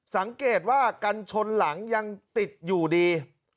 สังเกตว่ากันชนหลังยังติดอยู่ดี